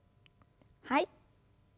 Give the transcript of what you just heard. はい。